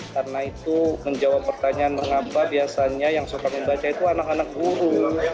karena itu menjawab pertanyaan mengapa biasanya yang suka membaca itu anak anak guru